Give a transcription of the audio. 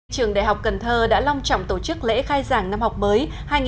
trường đại học cần thơ đã long trọng tổ chức lễ khai giảng năm học mới hai nghìn hai mươi hai nghìn hai mươi